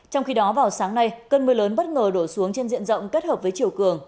trong khi đó vào sáng nay cơn mưa lớn bất ngờ đổ xuống trên diện rộng kết hợp với chiều cường